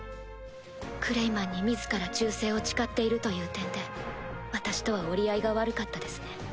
クレイマンに自ら忠誠を誓っているという点で私とは折り合いが悪かったですね。